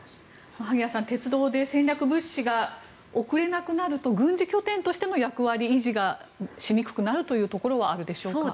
鉄道で戦略物資が送れなくなると軍事拠点としての役割維持がしにくくなるというところはあるでしょうか？